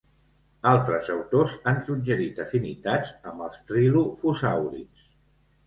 Altres autors han suggerit afinitats amb els trilofosàurids.